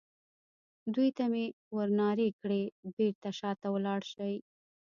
دوی ته مې ور نارې کړې: بېرته شا ته ولاړ شئ.